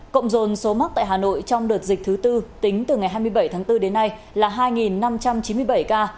cộng dồn số mắc tại hà nội trong đợt dịch thứ tư tính từ ngày hai mươi bảy tháng bốn đến nay là hai năm trăm chín mươi bảy ca